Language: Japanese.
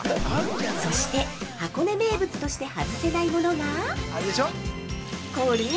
◆そして、箱根名物として外せないものがこれ。